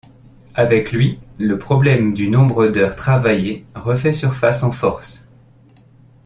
Avec lui, le problème du nombre d’heures travaillées refait surface en force.